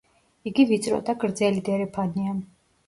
იგი ვიწრო და გრძელი დერეფანია.